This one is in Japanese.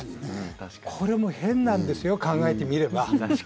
これも変なんですよ、考えてみれば。